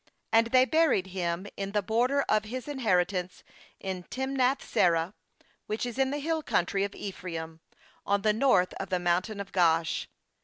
30And they buried him in the border of his inheritance in Timnath serah, which is in the hill country of Ephraim, on the north of the mountain of Gaash.